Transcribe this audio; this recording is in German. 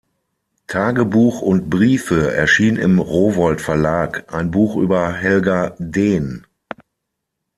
Tagebuch und Briefe“ erschien im Rowohlt Verlag ein Buch über Helga Deen.